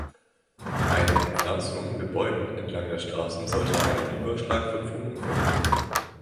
Eine Bepflanzung mit Bäumen entlang der Straßen sollte einen Überschlag von Funken verhindern.